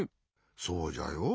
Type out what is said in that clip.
そうじゃよ。